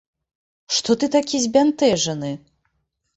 Што ты такі збянтэжаны?